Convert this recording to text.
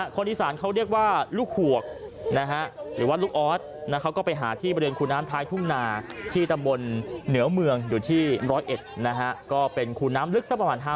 คนอีสานเขาเรียกว่าลูกหวกหรือว่าลูกออส